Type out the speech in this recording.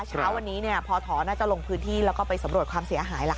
เช้าวันนี้พอทน่าจะลงพื้นที่แล้วก็ไปสำรวจความเสียหายล่ะค่ะ